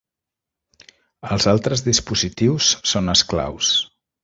Els altres dispositius són esclaus.